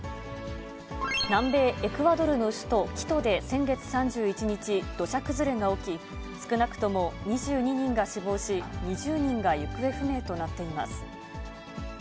南米エクアドルの首都キトで、先月３１日、土砂崩れが起き、少なくとも２２人が死亡し、２０人が行方不明となっています。